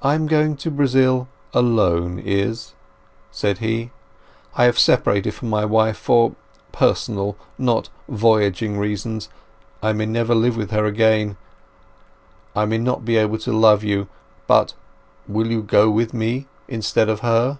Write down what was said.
"I am going to Brazil alone, Izz," said he. "I have separated from my wife for personal, not voyaging, reasons. I may never live with her again. I may not be able to love you; but—will you go with me instead of her?"